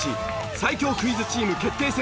最強クイズチーム決定戦